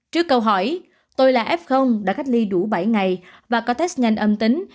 trước câu hỏi tôi là f đã cách ly đủ bảy ngày và có test nhanh âm tính